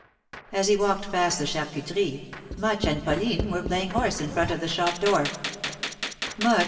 As he walked past the Charcuterie, Much and Pauline f were playing horse in front of the shop door.